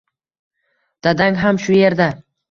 Dadang ham shu yerda